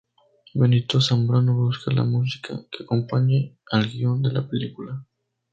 Benito Zambrano busca la música que acompañe al guion de la película.